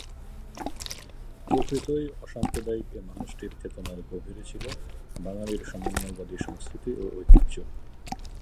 প্রকৃতই অসাম্প্রদায়িক এ মানুষটির চেতনার গভীরে ছিল বাঙালির সমন্বয়বাদী সংস্কৃতি ও ঐতিহ্য।